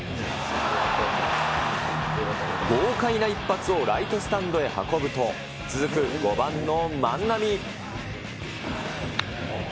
豪快な一発をライトスタンドへ運ぶと、続く５番の万波。